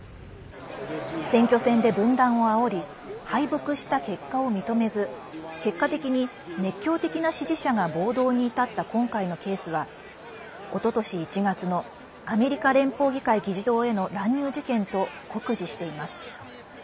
選挙戦で分断をあおり敗北した結果を認めず結果的に熱狂的な支持者が暴動に至った今回のケースはおととし１月のアメリカ連邦議会議事堂への乱入事件と酷似しています。